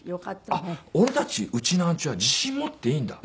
あっ俺たちうちなーんちゅは自信持っていいんだ。